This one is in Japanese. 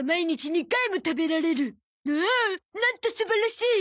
おおなんと素晴らしい！